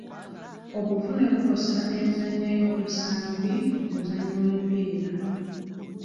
Obuvune bukosa enzannya y'omusambi mu kuzannya omupiira.